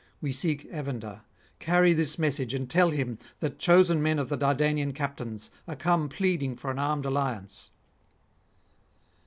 We seek Evander; carry this message, and tell him that chosen men of the Dardanian captains are come pleading for an armed alliance.'